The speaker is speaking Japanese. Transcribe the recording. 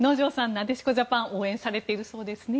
なでしこジャパンを応援されているそうですね。